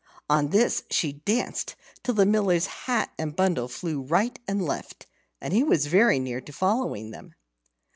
On this, she danced till the Miller's hat and bundle flew right and left, and he was very near to following them.